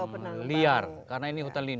penambang liar karena ini hutan lindung